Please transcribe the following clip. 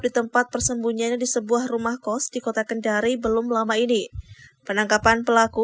di tempat persembunyiannya di sebuah rumah kos di kota kendari belum lama ini penangkapan pelaku